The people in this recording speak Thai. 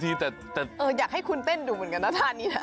อีกหนึ่งก้าว